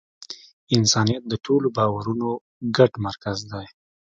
انسانیت د ټولو باورونو ګډ مرکز دی.